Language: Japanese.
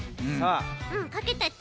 うんかけたち。